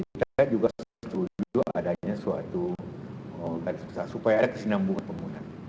jadi kita juga setuju adanya suatu kemampuan supaya ada kesinambungan pembangunan